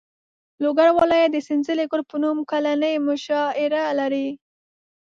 لوګر ولایت د سنځلې ګل په نوم کلنۍ مشاعره لري.